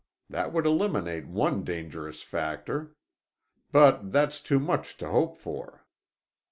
That would eliminate one dangerous factor. But that's too much to hope for."